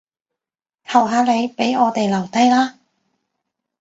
求下你，畀我哋留低啦